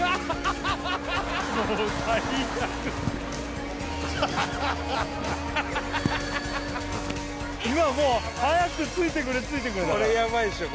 もう最悪今はもうはやく着いてくれ着いてくれだからこれヤバいでしょ